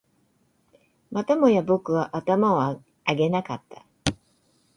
またもや僕は頭を上げなかった